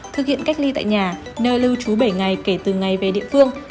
thực hiện cách ly tại nhà nơi lưu trú bảy ngày kể từ ngày về địa phương